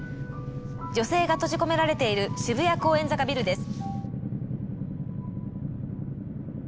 女性が閉じ込められている渋谷公園坂ビルです。